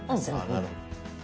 あなるほど。